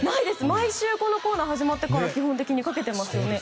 毎週このコーナー始まってから基本的にかけてますよね。